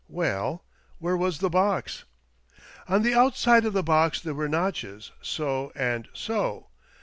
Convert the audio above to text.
Well, where was the box ?"" On the outside of the box there were notches — so, and so.